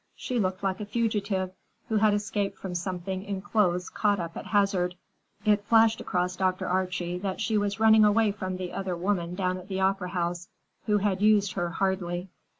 She looked like a fugitive, who had escaped from something in clothes caught up at hazard. It flashed across Dr. Archie that she was running away from the other woman down at the opera house, who had used her hardly.